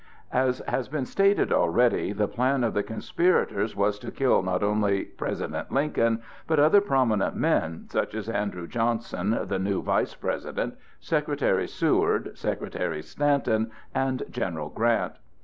As has been stated already, the plan of the conspirators was to kill not only President Lincoln, but other prominent men, such as Andrew Johnson, the new Vice President, Secretary Seward, Secretary Stanton, and General Grant.